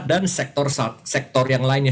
dan sektor yang lainnya